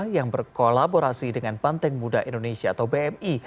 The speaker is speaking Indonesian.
yang berkolaborasi dengan banteng muda indonesia atau bmi